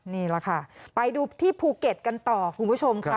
นี่แหละค่ะไปดูที่ภูเก็ตกันต่อคุณผู้ชมค่ะ